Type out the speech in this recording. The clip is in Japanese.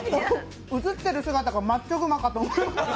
映ってる姿がマッチョ熊かと思った。